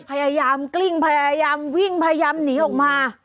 พยายามกลิ้งพยายามวิ่งพยายามหนีออกมา